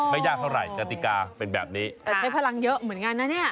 ไม่ยากเท่าไหร่กติกาเป็นแบบนี้แต่ใช้พลังเยอะเหมือนกันนะเนี่ย